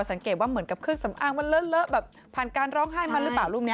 สังเกตว่าเหมือนกับเครื่องสำอางมันเลอะแบบผ่านการร้องไห้มาหรือเปล่ารูปนี้